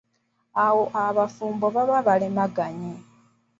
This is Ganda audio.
Awo abafumbo baba balemaganye.